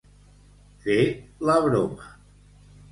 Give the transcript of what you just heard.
Fer la broma.